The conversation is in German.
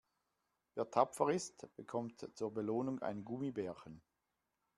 Wer tapfer ist, bekommt zur Belohnung ein Gummibärchen.